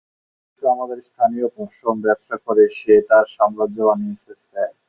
কিন্তু, আমাদের স্থানীয় পশম ব্যবসা করে সে তার সাম্রাজ্য বানিয়েছে, স্যার।